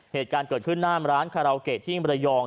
เหตุการณ์เกิดขึ้นหน้ามร้านที่มัดยอง